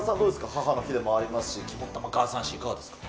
母の日でもありますし、肝っ玉母さん史、いかがでしたか。